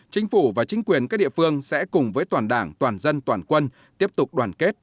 chính phủ và chính quyền các địa phương sẽ cùng với toàn đảng toàn dân toàn quân tiếp tục đoàn kết